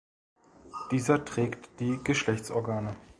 Dieser trägt die Geschlechtsorgane.